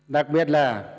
đặc biệt là